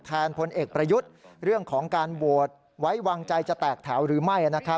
พลเอกประยุทธ์เรื่องของการโหวตไว้วางใจจะแตกแถวหรือไม่